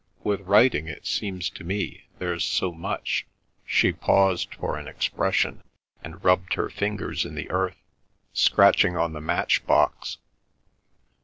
With writing it seems to me there's so much"—she paused for an expression, and rubbed her fingers in the earth—"scratching on the matchbox.